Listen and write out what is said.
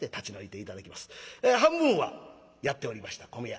半分はやっておりました米屋。